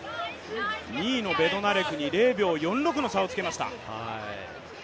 ２位のベドナレクに０秒４６の差をつけました。